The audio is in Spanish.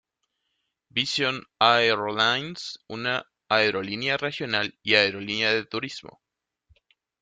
Vision Airlines, una aerolínea regional y aerolínea de turismo.